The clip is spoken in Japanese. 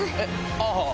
ああ。